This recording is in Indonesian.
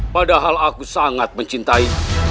padahal aku sangat mencintai